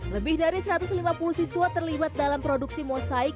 lebih dari satu ratus lima puluh siswa terlibat dalam produksi mosaik